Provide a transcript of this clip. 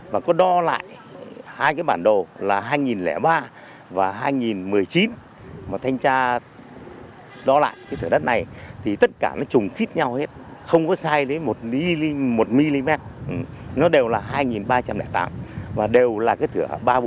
và có đo lại hai cái bản đồ là hai nghìn ba và hai nghìn một mươi chín mà thanh tra đo lại cái thử đất này thì tất cả nó trùng khít nhau hết không có sai đến một mm nó đều là hai nghìn ba trăm linh tám và đều là cái thử ba trăm bốn mươi hai